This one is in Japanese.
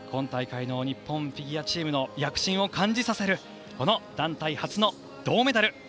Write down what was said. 今大会の日本フィギュアチームの躍進を感じさせる団体初の銅メダル。